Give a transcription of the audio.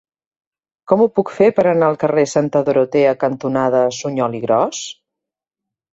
Com ho puc fer per anar al carrer Santa Dorotea cantonada Suñol i Gros?